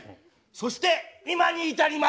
そして今に至ります。